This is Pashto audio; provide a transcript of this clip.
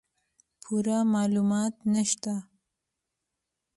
پوره معلومات نشته